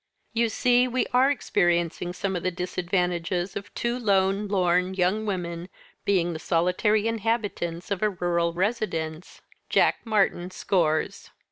"You see, we are experiencing some of the disadvantages of two lone, lorn young women being the solitary inhabitants of a rural residence Jack Martyn scores."